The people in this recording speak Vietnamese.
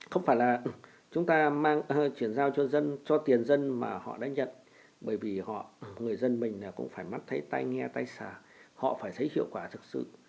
không phải là chúng ta chuyển giao cho dân cho tiền dân mà họ đã nhận bởi vì người dân mình cũng phải mắt thấy tay nghe tay xả họ phải thấy hiệu quả thực sự